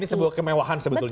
ini sebuah kemewahan sebetulnya